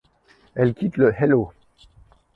Elle quitte le Hello!